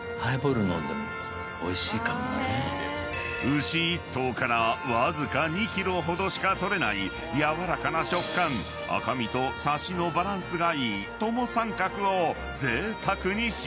［牛１頭からわずか２ｋｇほどしか取れない軟らかな食感赤身とサシのバランスがいいトモサンカクをぜいたくに使用］